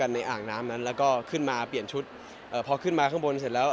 ในอ่างน้ำนั้นแล้วก็ขึ้นมาเปลี่ยนชุดเอ่อพอขึ้นมาข้างบนเสร็จแล้ว